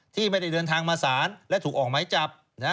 ที่ไม่ได้เดินทางมาศาลและถูกออกหมายจับ